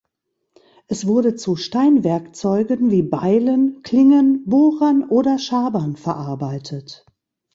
Es wurde zu Steinwerkzeugen wie Beilen, Klingen, Bohrern oder Schabern verarbeitet.